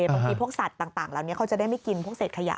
บางทีพวกสัตว์ต่างเหล่านี้เขาจะได้ไม่กินพวกเศษขยะ